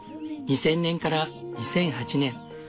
２０００年から２００８年